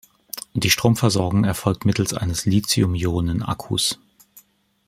Die Stromversorgung erfolgt mittels eines Lithium-Ionen-Akkus.